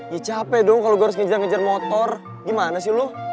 ya capek dong kalau gue harus ngejar ngejar motor gimana sih lo